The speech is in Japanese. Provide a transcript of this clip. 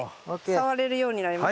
触れるようになりました。